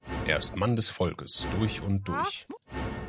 Er ist Mann des Volkes durch und durch.